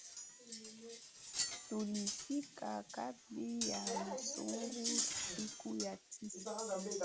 tulifika kambi ya msingi siku ya sita